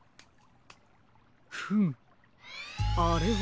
フムあれは。